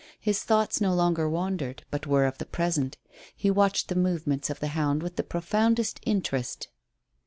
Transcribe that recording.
His thoughts no longer wandered, but were of the present. He watched the movements of the hound with the profoundest interest.